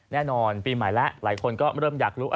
แน่นอนปีใหม่แล้วหลายคนก็เริ่มอยากรู้